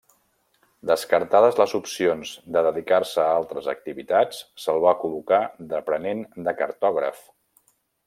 Descartades les opcions de dedicar-se a altres activitats, se'l va col·locar d'aprenent de cartògraf.